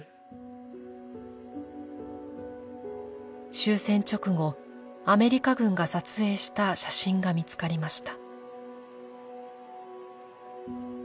終戦直後アメリカ軍が撮影した写真が見つかりました。